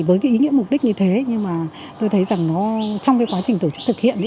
với ý nghĩa mục đích như thế nhưng mà tôi thấy trong quá trình tổ chức thực hiện